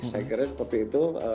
saya kira seperti itu